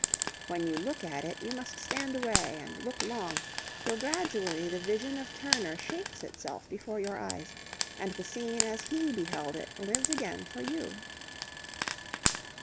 When you look at it, you must stand away and look long, till gradually the vision of Turner shapes itself before your eyes and the scene as he beheld it lives again for you.